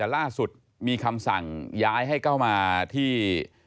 แต่ล่าสุดมีคำสั่งย้ายให้เข้ามาที่